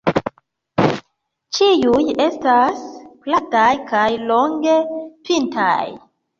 Ĉiuj estas plataj kaj longe pintaj.